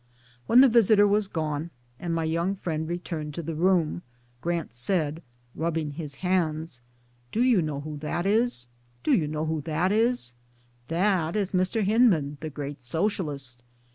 iWhen the visitor was gone and my young friend returned to the room, Grant said, rubbing his hands " Do you know whb that is? Do you know who that is? That is Mr. Hyndman, the great Socialist.